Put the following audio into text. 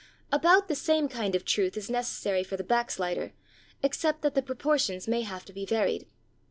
About the same kind of truth is necessary for the backslider, except that the propor tions may have to be varied.